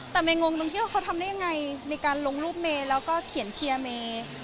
แต่เมย์งงตรงที่ว่าเขาทำได้ยังไงในการลงรูปเมย์แล้วก็เขียนเชียร์เมย์